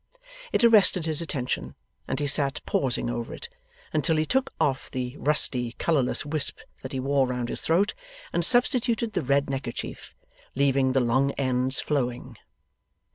It arrested his attention, and he sat pausing over it, until he took off the rusty colourless wisp that he wore round his throat, and substituted the red neckerchief, leaving the long ends flowing.